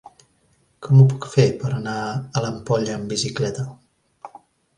Com ho puc fer per anar a l'Ampolla amb bicicleta?